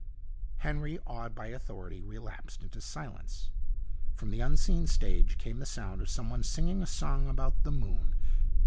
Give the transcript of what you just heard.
Henry, awed by authority, relapsed into silence. From the unseen stage came the sound of someone singing a song about the moon.